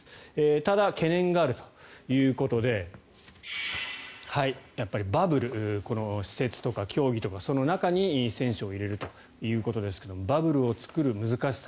ただ、懸念があるということでやっぱり、バブル施設とか競技とかその中に選手を入れるということですがバブルを作る難しさ。